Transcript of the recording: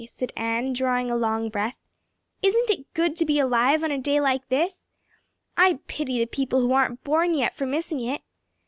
said Anne, drawing a long breath. "Isn't it good just to be alive on a day like this? I pity the people who aren't born yet for missing it.